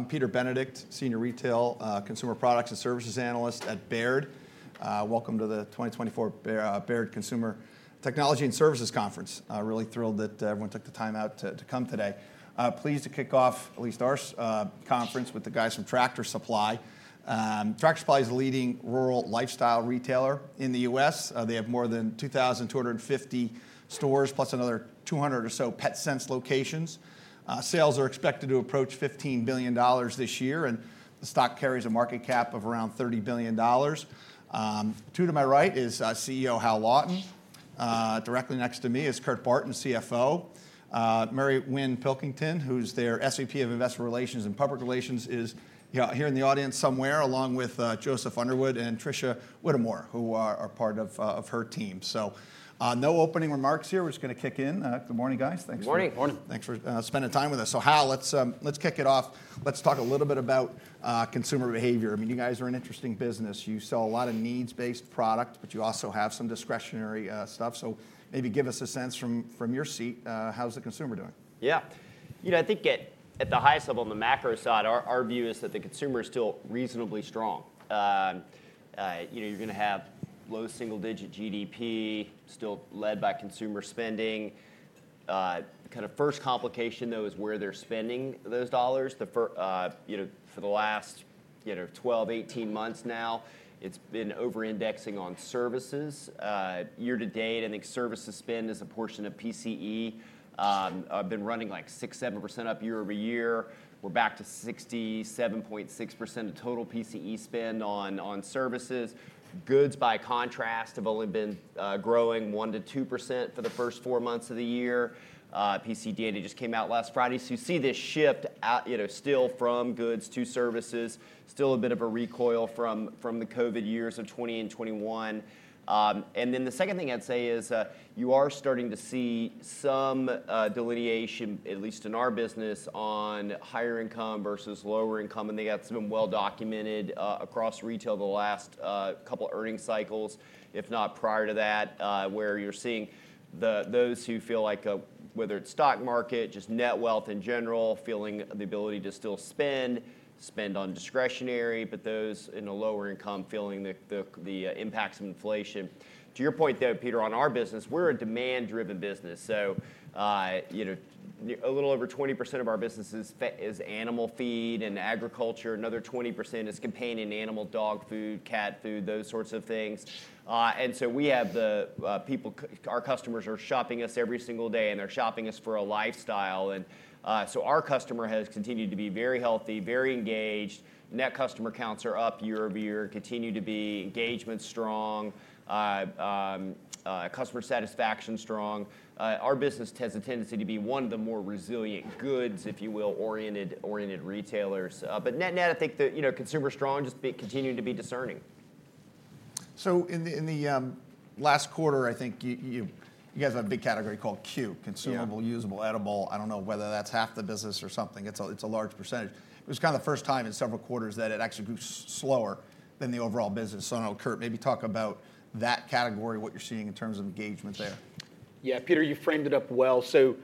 I'm Peter Benedict, Senior Retail, Consumer Products and Services Analyst at Baird. Welcome to the 2024 Baird Consumer Technology and Services Conference. Really thrilled that everyone took the time out to come today. Pleased to kick off at least our conference with the guys from Tractor Supply. Tractor Supply is the leading rural lifestyle retailer in the U.S. They have more than 2,250 stores, plus another 200 or so Petsense locations. Sales are expected to approach $15 billion this year, and the stock carries a market cap of around $30 billion. To my right is CEO Hal Lawton. Directly next to me is Kurt Barton, CFO. Mary Winn Pilkington, who's their SVP of Investor Relations and Public Relations, is, yeah, here in the audience somewhere, along with Joseph Underwood and Tricia Whittemore, who are part of her team. So, no opening remarks here. We're just gonna kick in. Good morning, guys. Thanks for- Good morning! Morning. Thanks for spending time with us. So Hal, let's kick it off. Let's talk a little bit about consumer behavior. I mean, you guys are an interesting business. You sell a lot of needs-based product, but you also have some discretionary stuff. So maybe give us a sense from your seat how's the consumer doing? Yeah. You know, I think at the highest level, on the macro side, our view is that the consumer is still reasonably strong. You know, you're gonna have low single-digit GDP, still led by consumer spending. Kind of first complication, though, is where they're spending those dollars. You know, for the last 12, 18 months now, it's been over-indexing on services. Year to date, I think services spend as a portion of PCE have been running, like, 6%-7% up year-over-year. We're back to 67.6% of total PCE spend on services. Goods, by contrast, have only been growing 1%-2% for the first 4 months of the year. PCE data just came out last Friday, so you see this shift out, you know, still from goods to services, still a bit of a recoil from the COVID years of 2020 and 2021. And then the second thing I'd say is, you are starting to see some delineation, at least in our business, on higher income versus lower income, and they got some well documented across retail the last couple earning cycles, if not prior to that. Where you're seeing those who feel like, whether it's stock market, just net wealth in general, feeling the ability to still spend, spend on discretionary, but those in the lower income feeling the impacts of inflation. To your point, though, Peter, on our business, we're a demand-driven business, so, you know, a little over 20% of our business is animal feed and agriculture. Another 20% is companion animal, dog food, cat food, those sorts of things. And so our customers are shopping us every single day, and they're shopping us for a lifestyle. And, so our customer has continued to be very healthy, very engaged. Net customer counts are up year-over-year, continue to be engagement strong, customer satisfaction strong. Our business has a tendency to be one of the more resilient goods, if you will, oriented retailers. But net-net, I think the, you know, consumer strong, just continuing to be discerning. So in the last quarter, I think you guys have a big category called CUE. Yeah Consumable, Usable, Edible. I don't know whether that's half the business or something. It's a, it's a large percentage. It was kind of the first time in several quarters that it actually grew slower than the overall business. So I don't know, Kurt, maybe talk about that category, what you're seeing in terms of engagement there. Yeah, Peter, you framed it up well. So,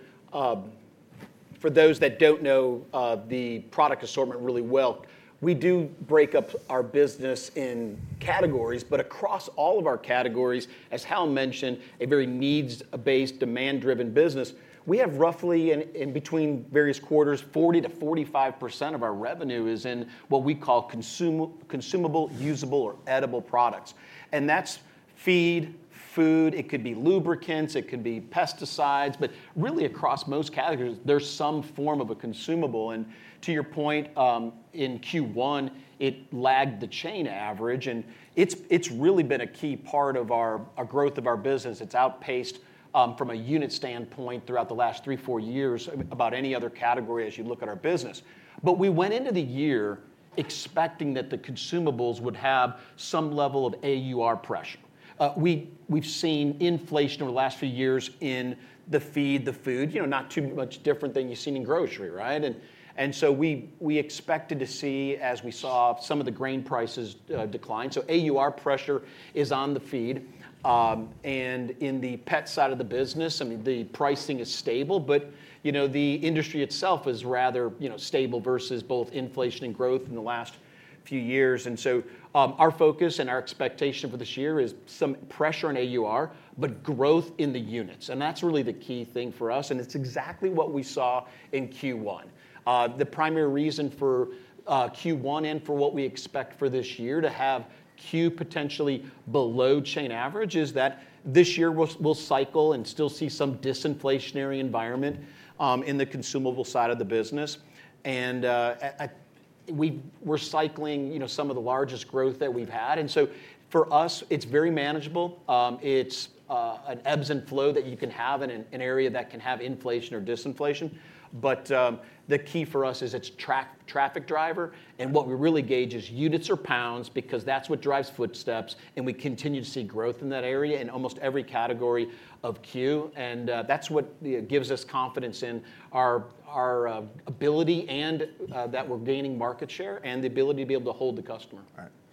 for those that don't know the product assortment really well, we do break up our business in categories, but across all of our categories, as Hal mentioned, a very needs-based, demand-driven business. We have roughly, in between various quarters, 40%-45% of our revenue is in what we call consumable, usable, or edible products. And that's feed, food, it could be lubricants, it could be pesticides, but really, across most categories, there's some form of a consumable. And to your point, in Q1, it lagged the chain average, and it's really been a key part of our growth of our business. It's outpaced, from a unit standpoint, throughout the last 3-4 years, about any other category as you look at our business. But we went into the year expecting that the consumables would have some level of AUR pressure. We've seen inflation over the last few years in the feed, the food, you know, not too much different than you've seen in grocery, right? And so we expected to see, as we saw, some of the grain prices decline. So AUR pressure is on the feed. And in the pet side of the business, I mean, the pricing is stable, but, you know, the industry itself is rather, you know, stable versus both inflation and growth in the last few years. And so our focus and our expectation for this year is some pressure on AUR, but growth in the units. And that's really the key thing for us, and it's exactly what we saw in Q1. The primary reason for Q1 and for what we expect for this year to have CUE potentially below chain average is that this year, we'll cycle and still see some disinflationary environment in the consumable side of the business. And we're cycling, you know, some of the largest growth that we've had. And so for us, it's very manageable. It's an ebbs and flow that you can have in an area that can have inflation or disinflation. But the key for us is its traffic driver, and what we really gauge is units or pounds because that's what drives footsteps, and we continue to see growth in that area in almost every category of CUE. And, that's what gives us confidence in our ability, and that we're gaining market share, and the ability to be able to hold the customer.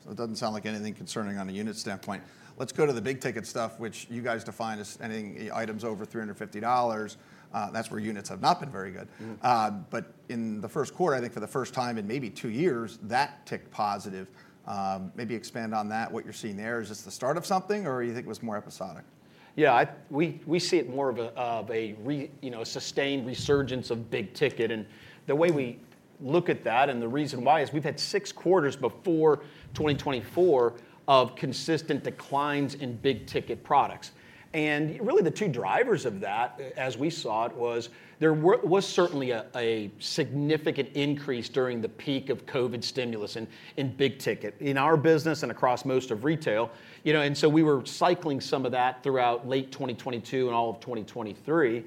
So it doesn't sound like anything concerning on a unit standpoint. Let's go to the big ticket stuff, which you guys define as anything, items over $350. That's where units have not been very good. Mm. In the first quarter, I think for the first time in maybe two years, that ticked positive. Maybe expand on that, what you're seeing there. Is this the start of something, or you think it was more episodic? Yeah, we see it more of a sustained resurgence of big ticket. And the way we look at that, and the reason why, is we've had six quarters before 2024 of consistent declines in big ticket products. And really, the two drivers of that, as we saw it, was there were certainly a significant increase during the peak of COVID stimulus in big ticket, in our business and across most of retail. You know, and so we were cycling some of that throughout late 2022 and all of 2023.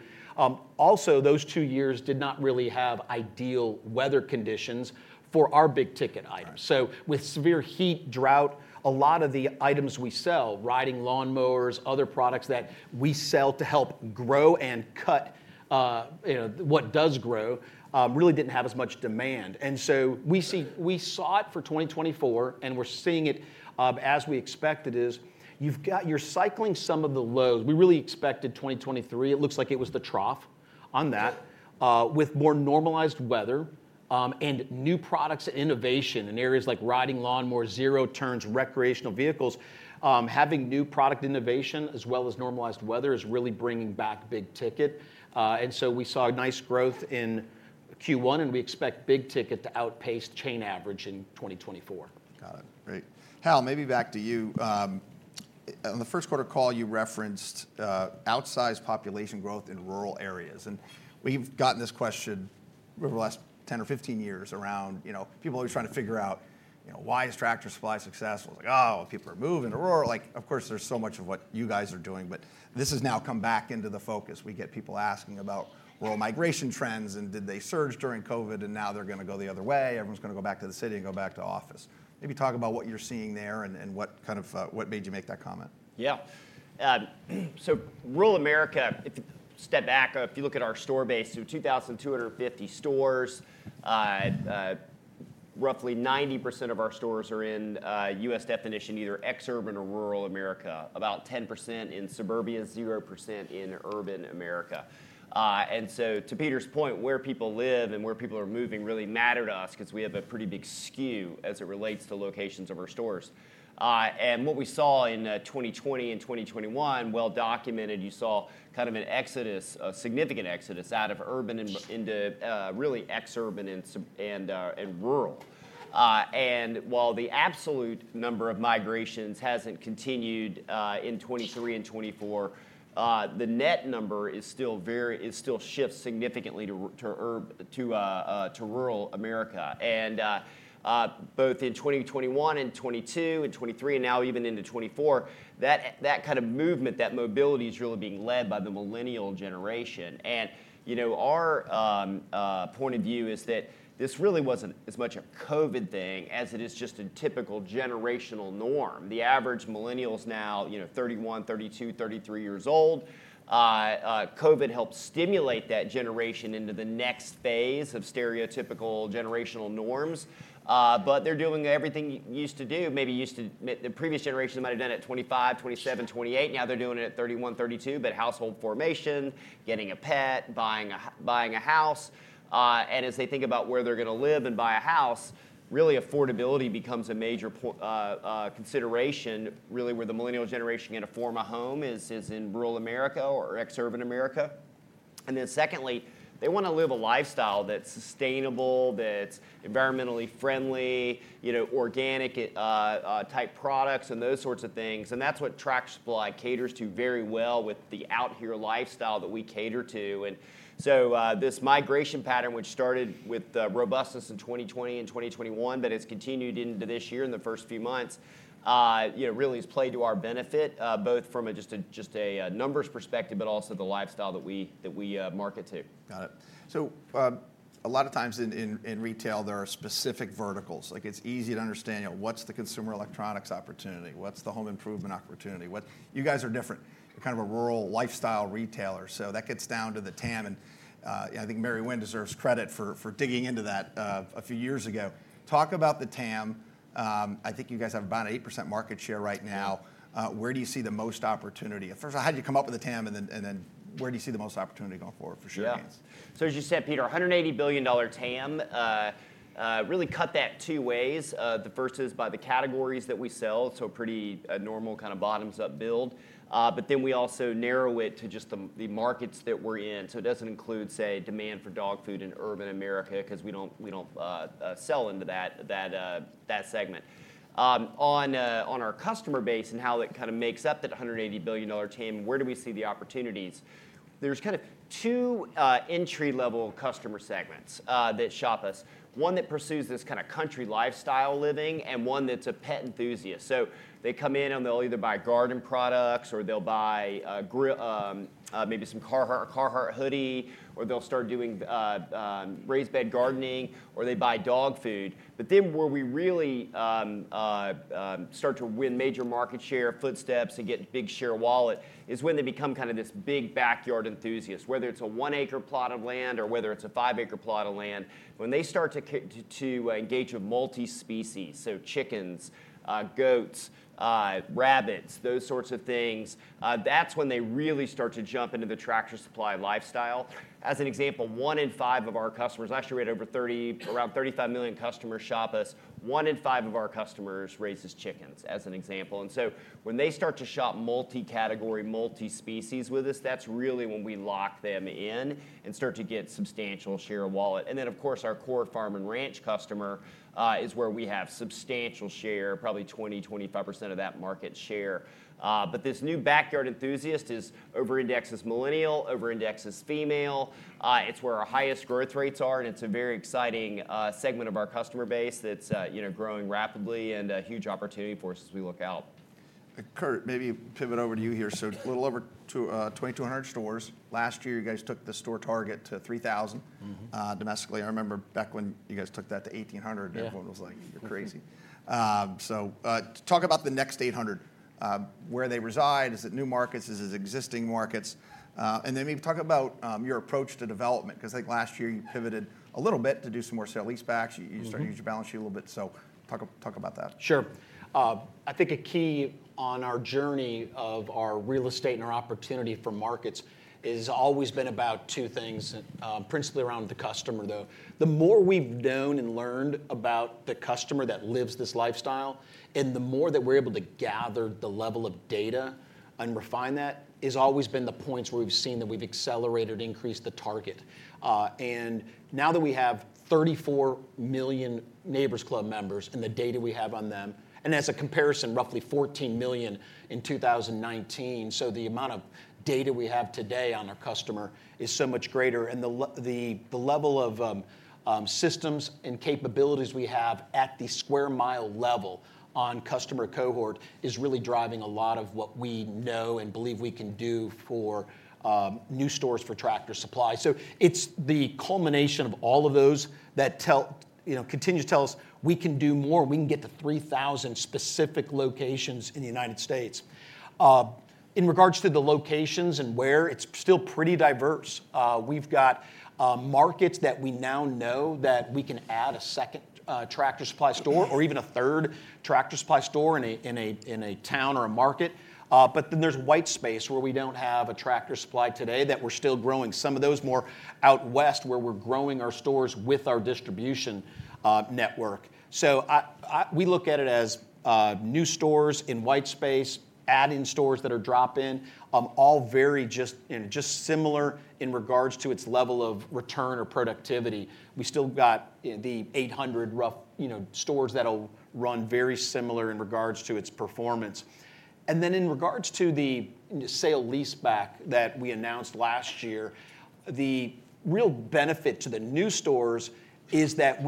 Also, those two years did not really have ideal weather conditions for our big ticket items. Right. So with severe heat, drought, a lot of the items we sell, riding lawn mowers, other products that we sell to help grow and cut, you know, what does grow, really didn't have as much demand. And so we saw it for 2024, and we're seeing it, as we expected is, you're cycling some of the lows. We really expected 2023, it looks like it was the trough on that. With more normalized weather, and new products innovation in areas like riding lawnmower, zero-turns, recreational vehicles, having new product innovation, as well as normalized weather, is really bringing back big ticket. And so we saw a nice growth in Q1, and we expect big ticket to outpace chain average in 2024. Got it. Great. Hal, maybe back to you. On the first quarter call, you referenced outsized population growth in rural areas. And we've gotten this question over the last 10 or 15 years around, you know, people are trying to figure out, you know, why is Tractor Supply successful? It's like, "Oh, people are moving to rural." Like, of course, there's so much of what you guys are doing, but this has now come back into the focus. We get people asking about rural migration trends, and did they surge during COVID, and now they're gonna go the other way, everyone's gonna go back to the city and go back to office. Maybe talk about what you're seeing there and, and what kind of, what made you make that comment? Yeah. So rural America, if you step back, if you look at our store base, so 2,250 stores, roughly 90% of our stores are in, a U.S. definition, either ex-urban or rural America, about 10% in suburbia, 0% in urban America. And so to Peter's point, where people live and where people are moving really matter to us, 'cause we have a pretty big skew as it relates to locations of our stores. And what we saw in 2020 and 2021, well documented, you saw kind of an exodus, a significant exodus out of urban and into really ex-urban and suburban and rural. And while the absolute number of migrations hasn't continued in 2023 and 2024, the net number is still it still shifts significantly to rural America. And both in 2021 and 2022 and 2023, and now even into 2024, that kind of movement, that mobility is really being led by the millennial generation. And, you know, our point of view is that this really wasn't as much a COVID thing as it is just a typical generational norm. The average millennial is now, you know, 31, 32, 33 years old. COVID helped stimulate that generation into the next phase of stereotypical generational norms. But they're doing everything you used to do, maybe used to. The previous generation might have done it at 25, 27, 28. Now they're doing it at 31, 32. But household formation, getting a pet, buying a house, and as they think about where they're gonna live and buy a house, really affordability becomes a major consideration, really, where the millennial generation are gonna form a home is in Rural America or Ex-urban America. And then secondly, they wanna live a lifestyle that's sustainable, that's environmentally friendly, you know, organic type products and those sorts of things. And that's what Tractor Supply caters to very well with the out here lifestyle that we cater to. This migration pattern, which started with robustness in 2020 and 2021, but it's continued into this year in the first few months, you know, really has played to our benefit, both from a just-a-numbers perspective, but also the lifestyle that we market to. Got it. So, a lot of times in retail, there are specific verticals. Like it's easy to understand, you know, what's the consumer electronics opportunity? What's the home improvement opportunity? You guys are different, kind of a rural lifestyle retailer. So that gets down to the TAM, and I think Mary Winn deserves credit for digging into that, a few years ago. Talk about the TAM. I think you guys have about an 8% market share right now. Where do you see the most opportunity? First of all, how did you come up with the TAM, and then where do you see the most opportunity going forward for sure things? Yeah. So as you said, Peter, a $180 billion TAM, really cut that two ways. The first is by the categories that we sell, so pretty normal kind of bottoms-up build. But then we also narrow it to just the markets that we're in, so it doesn't include, say, demand for dog food in urban America, 'cause we don't sell into that segment. On our customer base and how it kind of makes up that $180 billion TAM, where do we see the opportunities? There's kind of two entry-level customer segments that shop us: one that pursues this kind of country lifestyle living and one that's a pet enthusiast. So they come in, and they'll either buy garden products, or they'll buy maybe some Carhartt, Carhartt hoodie, or they'll start doing raised bed gardening, or they buy dog food. But then where we really start to win major market share, footsteps, and get big share of wallet is when they become kind of this big backyard enthusiast. Whether it's a one-acre plot of land or whether it's a five-acre plot of land when they start to engage with multi-species, so chickens, goats, rabbits, those sorts of things, that's when they really start to jump into the Tractor Supply lifestyle. As an example, one in five of our customers, actually we had over 30, around 35 million customers shop us, one in five of our customers raises chickens, as an example. And so when they start to shop multi-category, multi-species with us, that's really when we lock them in and start to get substantial share of wallet. And then, of course, our core farm and ranch customer is where we have substantial share, probably 20%-25% of that market share. But this new backyard enthusiast is over indexed as millennial, over indexed as female. It's where our highest growth rates are, and it's a very exciting segment of our customer base that's you know growing rapidly, and a huge opportunity for us as we look out. Kurt, maybe pivot over to you here. So a little over 2,200 stores. Last year, you guys took the store target to 3,000. Mm-hmm. Domestically. I remember back when you guys took that to 1,800- Yeah... everyone was like, "You're crazy." Talk about the next 800. Where they reside, is it new markets, is it existing markets? And then maybe talk about your approach to development, 'cause like last year, you pivoted a little bit to do some more sale-leasebacks. Mm-hmm. You started to use your balance sheet a little bit, so talk about that. Sure. I think a key on our journey of our real estate and our opportunity for markets has always been about two things, principally around the customer, though. The more we've known and learned about the customer that lives this lifestyle, and the more that we're able to gather the level of data and refine that, has always been the points where we've seen that we've accelerated, increased the target. And now that we have 34 million Neighbor's Club members, and the data we have on them. As a comparison, roughly 14 million in 2019. So the amount of data we have today on our customer is so much greater, and the level of systems and capabilities we have at the square mile level on customer cohort is really driving a lot of what we know and believe we can do for new stores for Tractor Supply. So it's the culmination of all of those that tell, you know, continue to tell us we can do more, we can get to 3,000 specific locations in the United States. In regards to the locations and where, it's still pretty diverse. We've got markets that we now know that we can add a second Tractor Supply store or even a third Tractor Supply store in a town or a market. But then there's white space, where we don't have a Tractor Supply today, that we're still growing some of those more out West, where we're growing our stores with our distribution network. So we look at it as new stores in white space, adding stores that are drop-in, all very just, you know, just similar in regards to its level of return or productivity. We still got the roughly 800, you know, stores that'll run very similar in regards to its performance. And then, in regards to the sale-leaseback that we announced last year, the real benefit to the new stores is that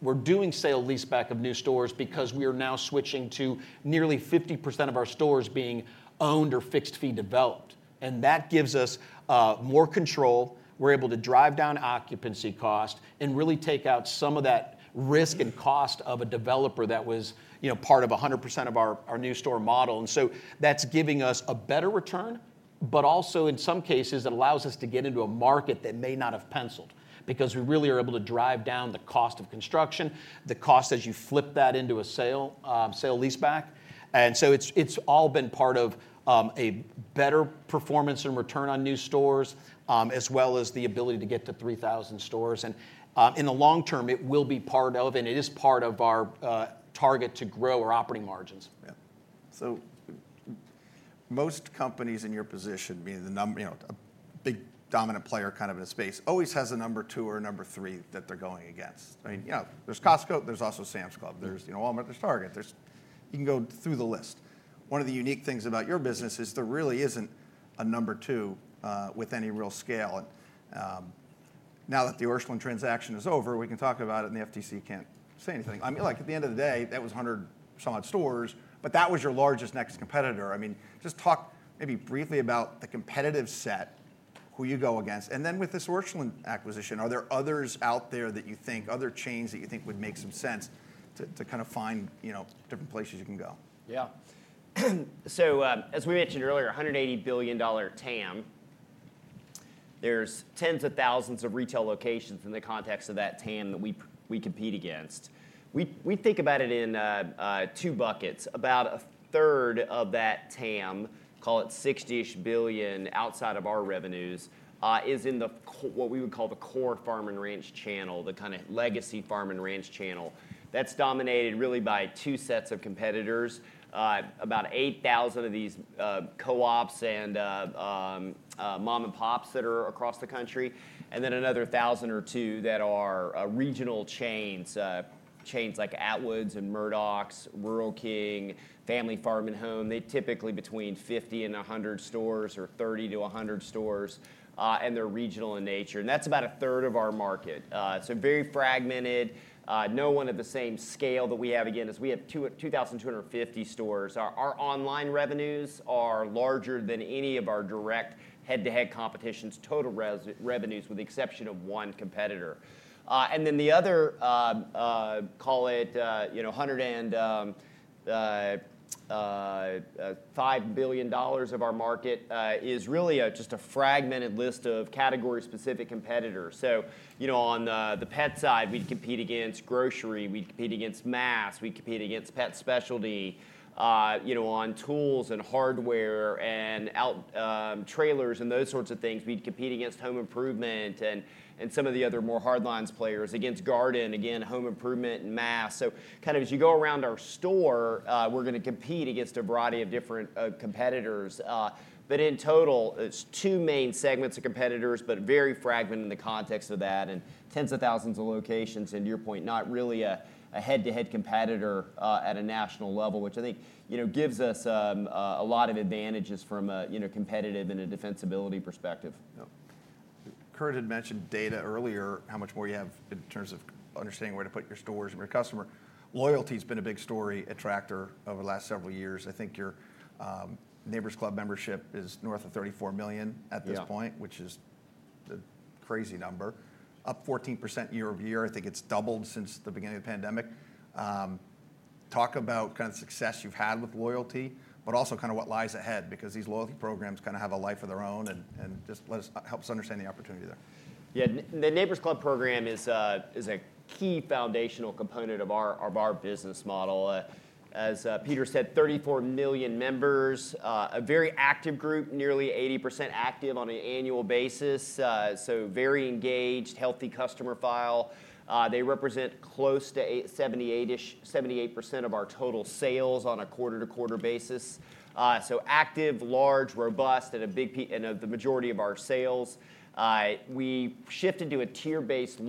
we're doing sale-leaseback of new stores because we are now switching to nearly 50% of our stores being owned or fixed fee developed. And that gives us more control. We're able to drive down occupancy cost and really take out some of that risk and cost of a developer that was, you know, part of 100% of our new store model. And so that's giving us a better return, but also, in some cases, it allows us to get into a market that may not have penciled. Because we really are able to drive down the cost of construction, the cost as you flip that into a sale-leaseback. And so it's all been part of a better performance and return on new stores, as well as the ability to get to 3,000 stores. And, in the long term, it will be part of, and it is part of our target to grow our operating margins. Yeah. So most companies in your position, being the, you know, a big, dominant player kind of in a space, always has a number two or number three that they're going against. I mean, yeah, there's Costco, there's also Sam's Club. Mm. There's, you know, Walmart, there's Target, there's... You can go through the list. One of the unique things about your business is there really isn't a number two, with any real scale. And, now that the Orscheln transaction is over, we can talk about it, and the FTC can't say anything. I mean, like, at the end of the day, that was 100-some-odd stores, but that was your largest next competitor. I mean, just talk maybe briefly about the competitive set, who you go against, and then with this Orscheln acquisition, are there others out there that you think, other chains that you think would make some sense to, to kind of find, you know, different places you can go? Yeah. So, as we mentioned earlier, $180 billion TAM. There's tens of thousands of retail locations in the context of that TAM that we think about it in two buckets: about a third of that TAM, call it $60-ish billion outside of our revenues, is in the what we would call the core farm and ranch channel, the kind of legacy farm and ranch channel. That's dominated really by two sets of competitors, about 8,000 of these co-ops and mom-and-pops that are across the country, and then another 1,000 or 2,000 that are regional chains, chains like Atwoods and Murdoch's, Rural King, Family Farm and Home. They're typically between 50 and 100 stores or 30-100 stores, and they're regional in nature, and that's about a third of our market. So very fragmented, no one at the same scale that we have. Again, as we have 2,250 stores. Our online revenues are larger than any of our direct head-to-head competition's total revenues, with the exception of one competitor. And then the other, call it, you know, $105 billion of our market is really just a fragmented list of category-specific competitors. So, you know, on the pet side, we'd compete against grocery, we'd compete against mass, we'd compete against pet specialty. You know, on tools and hardware and outdoor trailers and those sorts of things, we'd compete against home improvement and some of the other more hard-line players. Against garden, again, home improvement and mass. So kind of as you go around our store, we're going to compete against a variety of different competitors. But in total, it's two main segments of competitors, but very fragmented in the context of that, and tens of thousands of locations. And to your point, not really a head-to-head competitor at a national level, which I think, you know, gives us a lot of advantages from a you know, competitive and a defensibility perspective. Yeah. Kurt had mentioned data earlier, how much more you have in terms of understanding where to put your stores and your customer. Loyalty has been a big story at Tractor over the last several years. I think your Neighbor's Club membership is north of 34 million at this point- Yeah Which is a crazy number. Up 14% year-over-year, I think it's doubled since the beginning of the pandemic. Talk about the kind of success you've had with loyalty, but also kind of what lies ahead, because these loyalty programs kind of have a life of their own, and, and just let us- help us understand the opportunity there. Yeah, the Neighbor's Club program is a key foundational component of our business model. As Peter said, 34 million members, a very active group, nearly 80% active on an annual basis. So very engaged, healthy customer file. They represent close to 78% of our total sales on a quarter-to-quarter basis. So active, large, robust, and the majority of our sales. We shifted to a tier-based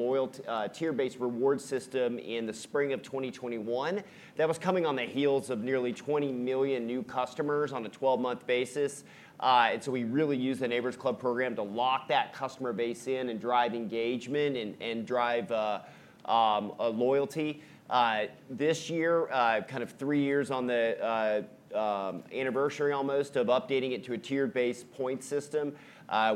reward system in the spring of 2021. That was coming on the heels of nearly 20 million new customers on a 12-month basis. And so we really used the Neighbor's Club program to lock that customer base in and drive engagement and drive loyalty. This year, kind of three years on the anniversary, almost, of updating it to a tier-based point system,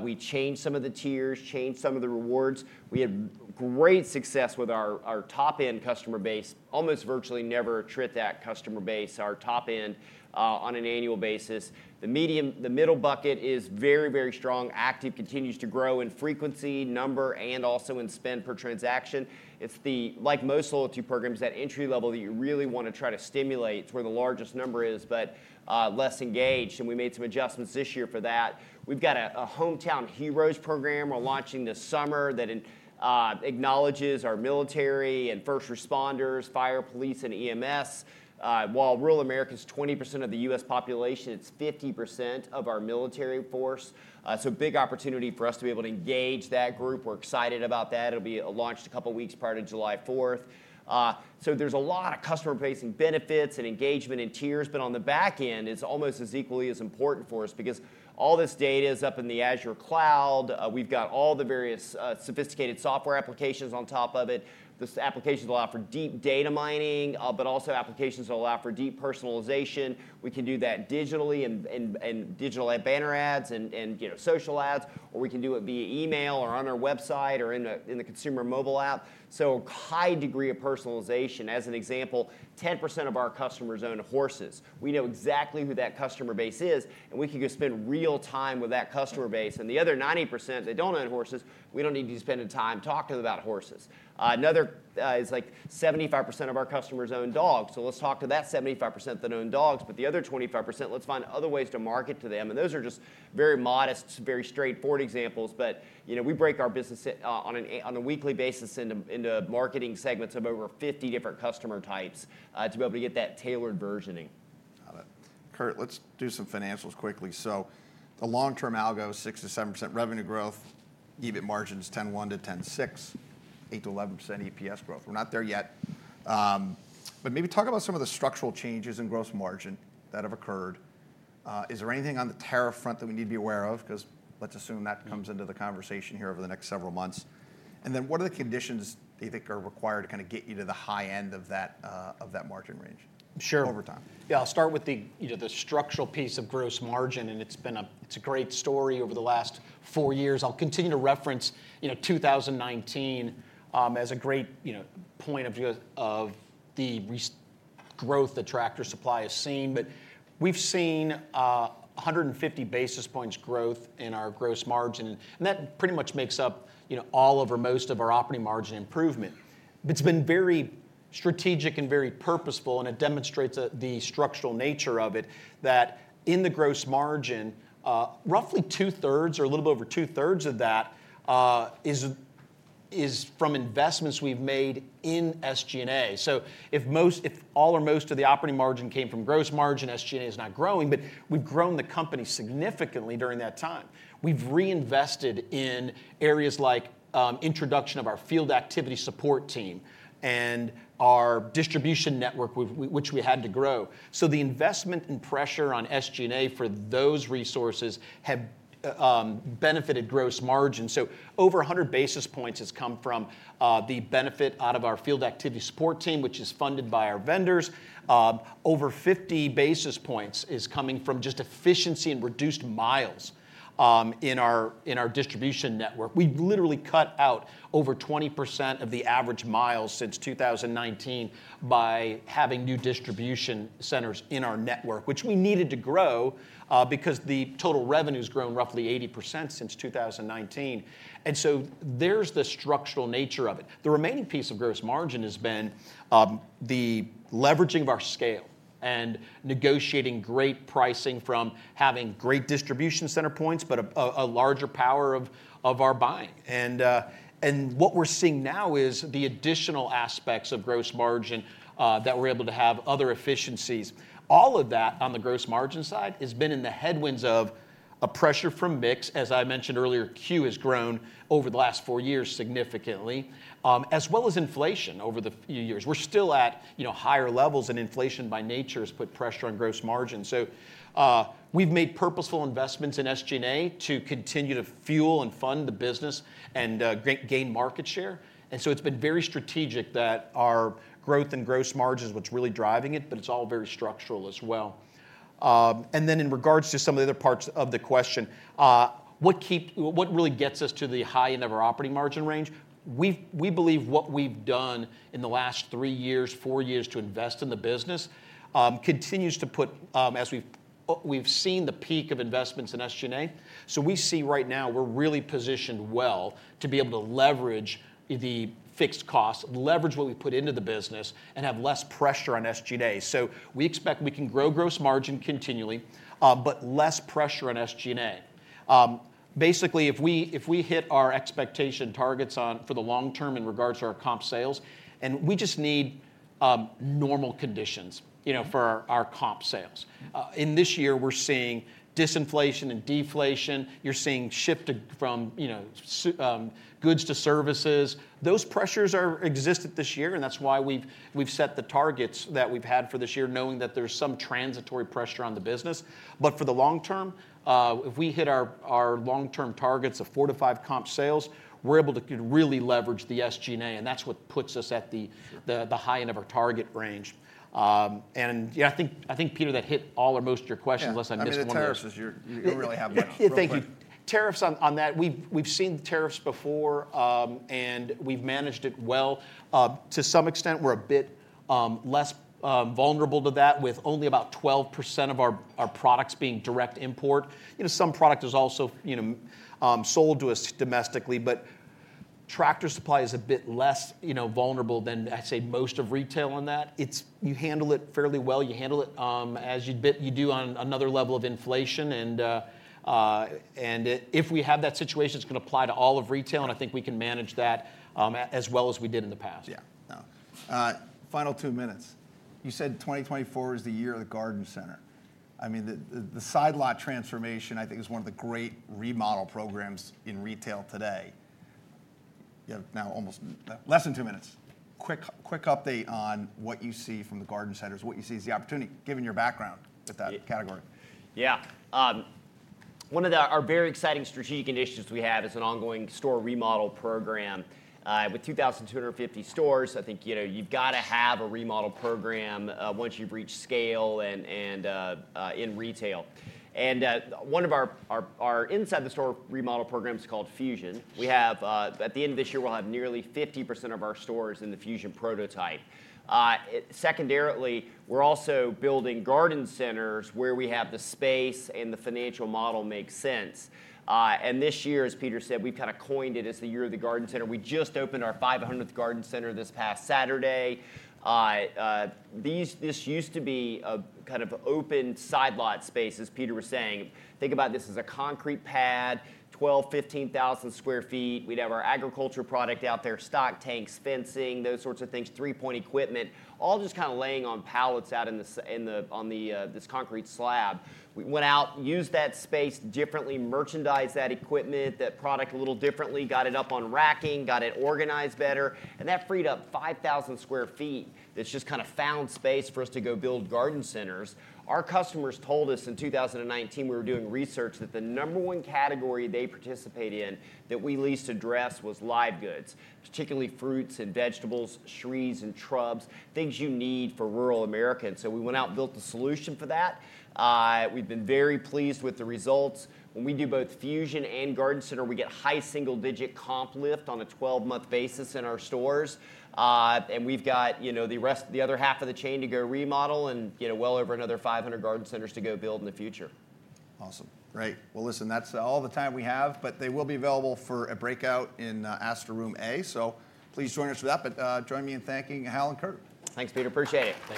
we changed some of the tiers, changed some of the rewards. We had great success with our top-end customer base. Almost virtually never attrit that customer base, our top end, on an annual basis. The middle bucket is very, very strong. Active, continues to grow in frequency, number, and also in spend per transaction. It's like most loyalty programs, that entry level that you really want to try to stimulate, it's where the largest number is, but less engaged, and we made some adjustments this year for that. We've got a Hometown Heroes program we're launching this summer that acknowledges our military and first responders, fire, police, and EMS. While rural America is 20% of the U.S. population, it's 50% of our military force. So a big opportunity for us to be able to engage that group. We're excited about that. It'll be launched a couple of weeks prior to July fourth. So there's a lot of customer-facing benefits and engagement in tiers, but on the back end, it's almost as equally as important for us because all this data is up in the Azure cloud. We've got all the various sophisticated software applications on top of it. These applications allow for deep data mining, but also applications that allow for deep personalization. We can do that digitally and digital ad banner ads and, you know, social ads, or we can do it via email or on our website or in the consumer mobile app. So a high degree of personalization. As an example, 10% of our customers own horses. We know exactly who that customer base is, and we can go spend real time with that customer base. And the other 90% that don't own horses, we don't need to be spending time talking about horses. Another is like 75% of our customers own dogs, so let's talk to that 75% that own dogs, but the other 25%, let's find other ways to market to them. And those are just very modest, very straightforward examples, but, you know, we break our business on a weekly basis into marketing segments of over 50 different customer types to be able to get that tailored versioning. Got it. Kurt, let's do some financials quickly. So the long-term algo, 6%-7% revenue growth, EBIT margins 10.1%-10.6%, 8%-11% EPS growth. We're not there yet, but maybe talk about some of the structural changes in gross margin that have occurred. Is there anything on the tariff front that we need to be aware of? Because let's assume that comes into the conversation here over the next several months. And then, what are the conditions do you think are required to kind of get you to the high end of that, of that margin range? Sure. -over time? Yeah, I'll start with the, you know, the structural piece of gross margin, and it's been a—it's a great story over the last four years. I'll continue to reference, you know, 2019 as a great, you know, point of view of the recent growth that Tractor Supply has seen. But we've seen 150 basis points growth in our gross margin, and that pretty much makes up, you know, all over most of our operating margin improvement. It's been very strategic and very purposeful, and it demonstrates the, the structural nature of it, that in the gross margin, roughly two-thirds or a little bit over two-thirds of that is from investments we've made in SG&A. So if all or most of the operating margin came from gross margin, SG&A is not growing, but we've grown the company significantly during that time. We've reinvested in areas like introduction of our field activity support team and our distribution network, which we had to grow. So the investment and pressure on SG&A for those resources have benefited gross margin. So over 100 basis points has come from the benefit out of our field activity support team, which is funded by our vendors. Over 50 basis points is coming from just efficiency and reduced miles in our distribution network. We've literally cut out over 20% of the average miles since 2019 by having new distribution centers in our network, which we needed to grow... because the total revenue's grown roughly 80% since 2019, and so there's the structural nature of it. The remaining piece of gross margin has been the leveraging of our scale and negotiating great pricing from having great distribution center points, but a larger power of our buying. And what we're seeing now is the additional aspects of gross margin that we're able to have other efficiencies. All of that on the gross margin side has been in the headwinds of a pressure from mix, as I mentioned earlier, Q has grown over the last four years significantly, as well as inflation over the few years. We're still at, you know, higher levels, and inflation by nature has put pressure on gross margin. So, we've made purposeful investments in SG&A to continue to fuel and fund the business and gain market share. And so it's been very strategic that our growth and gross margin is what's really driving it, but it's all very structural as well. And then in regards to some of the other parts of the question, what really gets us to the high end of our operating margin range? We believe what we've done in the last three years, four years to invest in the business continues to put as we've seen the peak of investments in SG&A. So we see right now we're really positioned well to be able to leverage the fixed costs, leverage what we put into the business, and have less pressure on SG&A. So we expect we can grow gross margin continually, but less pressure on SG&A. Basically, if we, if we hit our expectation targets on for the long term in regards to our comp sales, and we just need, normal conditions, you know, for our, our comp sales. In this year, we're seeing disinflation and deflation. You're seeing shift from, you know, goods to services. Those pressures are existent this year, and that's why we've, we've set the targets that we've had for this year, knowing that there's some transitory pressure on the business. But for the long term, if we hit our, our long-term targets of 4-5 comp sales, we're able to really leverage the SG&A, and that's what puts us at the, the, the high end of our target range. Yeah, I think, I think, Peter, that hit all or most of your questions, unless I missed one of those. Yeah, I mean, the tariffs is you really have that real quick. Yeah, thank you. Tariffs on that, we've seen the tariffs before, and we've managed it well. To some extent, we're a bit less vulnerable to that, with only about 12% of our products being direct import. You know, some product is also, you know, sold to us domestically, but Tractor Supply is a bit less, you know, vulnerable than, I'd say, most of retail on that. It's you handle it fairly well. You handle it, as you do on another level of inflation, and if we have that situation, it's gonna apply to all of retail, and I think we can manage that, as well as we did in the past. Yeah. Now, final two minutes. You said 2024 is the year of the garden center. I mean, the side lot transformation, I think, is one of the great remodel programs in retail today. You have now almost less than two minutes. Quick update on what you see from the garden centers, what you see is the opportunity, given your background with that category. Yeah, one of our very exciting strategic initiatives we have is an ongoing store remodel program. With 2,250 stores, I think, you know, you've got to have a remodel program, once you've reached scale and in retail. One of our inside the store remodel program is called Fusion. We have, at the end of this year, we'll have nearly 50% of our stores in the Fusion prototype. Secondarily, we're also building garden centers where we have the space and the financial model makes sense. And this year, as Peter said, we've kind of coined it as the year of the garden center. We just opened our 500th garden center this past Saturday. This used to be a kind of open Side Lot space, as Peter was saying. Think about this as a concrete pad, 12-15,000 sq ft. We'd have our agriculture product out there, stock tanks, fencing, those sorts of things, three-point equipment, all just kind of laying on pallets out in the, on the, this concrete slab. We went out, used that space differently, merchandised that equipment, that product a little differently, got it up on racking, got it organized better, and that freed up 5,000 sq ft. That's just kind of found space for us to go build garden centers. Our customers told us in 2019, we were doing research, that the number one category they participate in, that we least address, was live goods, particularly fruits and vegetables, trees and shrubs, things you need for Rural America. So we went out and built a solution for that. We've been very pleased with the results. When we do both Fusion and garden center, we get high single-digit comp lift on a 12-month basis in our stores. And we've got, you know, the rest, the other half of the chain to go remodel, and, you know, well over another 500 garden centers to go build in the future. Awesome. Great! Well, listen, that's all the time we have, but they will be available for a breakout in Aster Room A, so please join us for that. But join me in thanking Hal and Kurt. Thanks, Peter. Appreciate it.